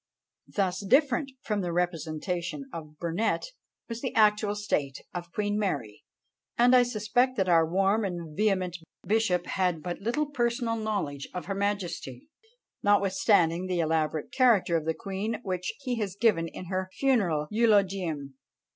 Thus different from the representation of Burnet was the actual state of Queen Mary: and I suspect that our warm and vehement bishop had but little personal knowledge of her majesty, notwithstanding the elaborate character of the queen which he has given in her funeral eulogium.